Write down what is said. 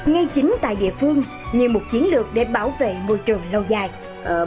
ngay chính tại địa phương như một chiến lược để bảo vệ môi trường lâu dài